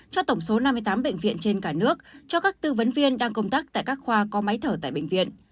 cho tổng số năm mươi tám bệnh viện trên cả nước cho các tư vấn viên đang công tác tại các khoa có máy thở tại bệnh viện